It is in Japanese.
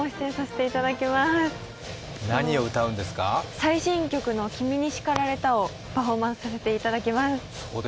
最新曲の「君に叱られた」をパフォーマンスさせていただきます。